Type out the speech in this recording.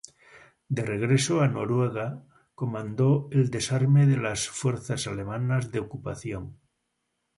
De regreso a Noruega, comandó el desarme de las fuerzas alemanas de ocupación.